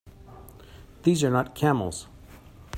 These are not camels!